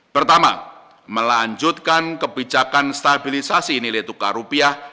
pertama melanjutkan kebijakan stabilisasi nilai tukar rupiah